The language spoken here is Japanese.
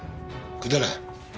くだらん。